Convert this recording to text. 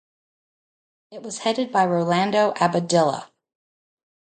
It was headed by Rolando Abadilla.